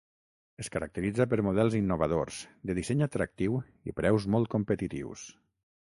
Es caracteritza per models innovadors, de disseny atractiu i preus molt competitius.